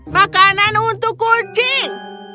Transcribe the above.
makanan untuk kucing